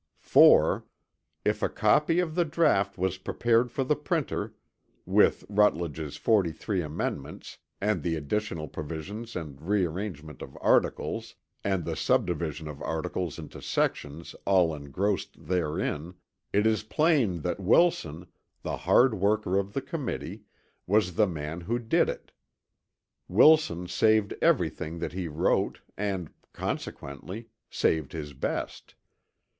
4. If a copy of the draught was prepared for the printer (with Rutledge's 43 amendments and the additional provisions and the rearrangement of articles and the subdivision of articles into sections all engrossed therein), it is plain that Wilson, the hard worker of the Committee, was the man who did it. Wilson saved everything that he wrote and, consequently, saved his best.